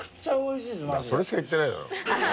それしか言ってないだろ。